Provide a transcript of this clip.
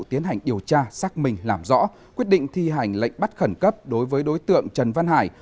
tiến hành điều tra xác minh làm rõ quyết định thi hành lệnh bắt khẩn cấp đối với đối tượng trần văn hải